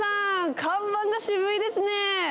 看板が渋いですね。